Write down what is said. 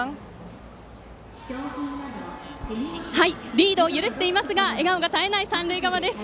リードを許していますが笑顔が絶えない三塁側です。